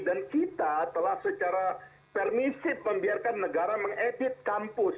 dan kita telah secara permisif membiarkan negara mengedit kampus